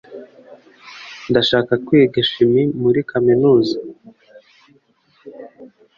Ndashaka kwiga chimie muri kaminuza.